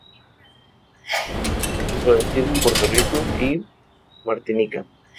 Introducido en Puerto Rico y Martinica.